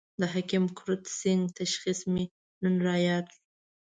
د حکیم کرت سېنګ تشخیص مې نن را ياد شو.